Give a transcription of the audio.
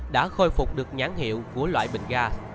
đã khôi phục được nhãn hiệu của loại bình ga